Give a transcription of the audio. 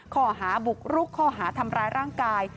ข้อหาบุกรุกข้อหาทำร้ายร่างกาย